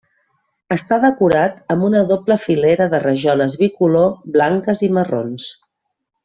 Està decorat amb una doble filera de rajoles bicolor blanques i marrons.